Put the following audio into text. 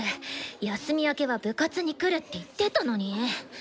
休み明けは部活に来るって言ってたのに。